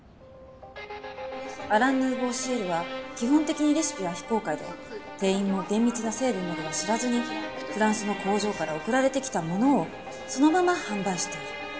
アラン・ヌーボー・シエルは基本的にレシピは非公開で店員も厳密な成分までは知らずにフランスの工場から送られてきたものをそのまま販売している。